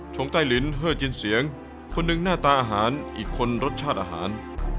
งใต้ลิ้นเฮอร์จินเสียงคนหนึ่งหน้าตาอาหารอีกคนรสชาติอาหาร